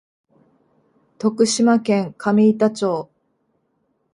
徳島県上板町